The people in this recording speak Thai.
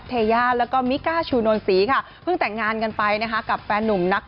เทยาแล้วก็มิก้าชูนนศรีค่ะเพิ่งแต่งงานกันไปนะคะกับแฟนนุ่มนัก